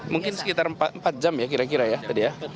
mungkin sekitar empat jam ya kira kira ya tadi ya